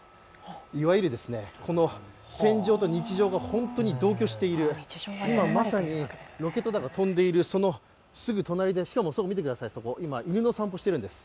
いわゆるこの戦場と日常が本当に同居している、今まさに、ロケット弾が飛んでいるすぐ隣で、しかも見てください、犬の散歩しているんです。